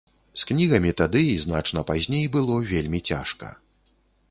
З кнігамі тады і значна пазней было вельмі цяжка.